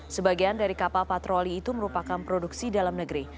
sebagian dari kapal patroli itu merupakan produksi dalam negeri